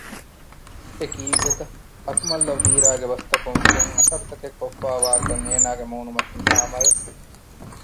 އެކީއްވެތަ؟ އަކުމަލްއަށް ވީރާގެ ބަސްތަކުން ފުން އަސްރުތަކެއް ކޮށްފައިވާކަން އޭނާގެ މޫނުމަތިން ހާމަވެ